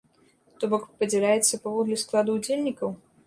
То бок падзяляецца паводле складу ўдзельнікаў?